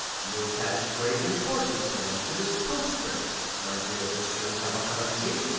You attached great importance, then, to this postscript, my dear Monsieur Cavalcanti?"